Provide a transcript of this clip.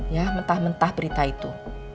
ya mentah mentah berita itu